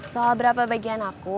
soal berapa bagian aku